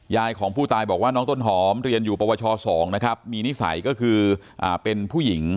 ยายของผู้ตายบอกว่าน้องต้นหอมเรียนอยู่ปวช๒นะครับมีนิสัยก็คือเป็นผู้หญิง